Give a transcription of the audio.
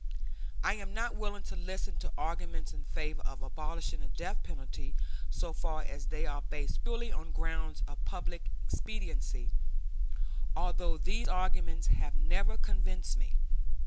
I am willing to listen to arguments in favor of abolishing the death penalty so far as they are based purely on grounds of public expediency, although these arguments have never convinced me.